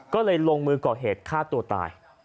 ก็เลยลงมือก่อเหตุฆ่าตัวตาย